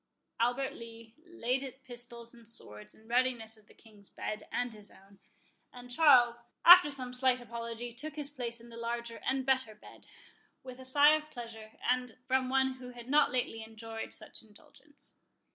Albert Lee laid pistols and swords in readiness by the King's bed and his own; and Charles, after some slight apology, took his place in the larger and better bed, with a sigh of pleasure, as from one who had not lately enjoyed such an indulgence.